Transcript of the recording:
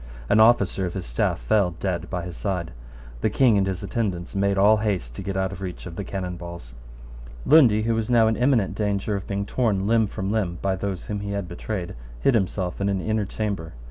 An officer of his staff fell dead by his side. The King and his attendants made all haste to get out of reach of the cannon balls. Lundy, who was now in imminent danger of being torn limb from limb by those whom he had betrayed, hid himself in an inner chamber.